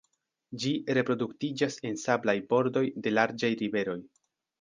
Ĝi reproduktiĝas en sablaj bordoj de larĝaj riveroj.